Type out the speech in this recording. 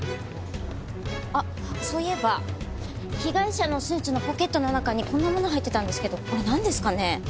あっそういえば被害者のスーツのポケットの中にこんなもの入ってたんですけどこれなんですかね？